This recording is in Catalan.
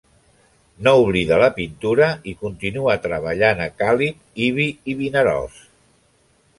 No oblida la pintura i continua treballant en Càlig, Ibi i Vinaròs.